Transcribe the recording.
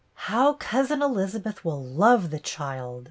" How Cousin Elizabeth will love the child